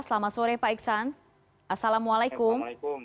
selamat sore pak iksan assalamualaikum